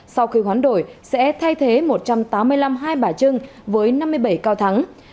sau khi hoán đổi sẽ thay thế một trăm tám mươi năm hai bả trưng với năm mươi bảy cao thắng